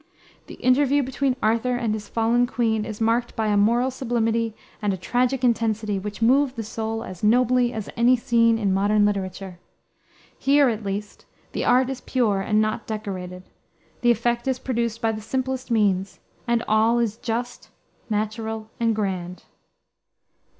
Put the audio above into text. The interview between Arthur and his fallen queen is marked by a moral sublimity and a tragic intensity which move the soul as nobly as any scene in modern literature. Here, at least, the art is pure and not "decorated;" the effect is produced by the simplest means, and all is just, natural, and grand.